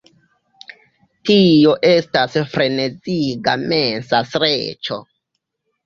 Tio estas freneziga mensa streĉo.